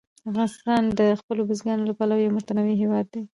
افغانستان د خپلو بزګانو له پلوه یو متنوع هېواد دی.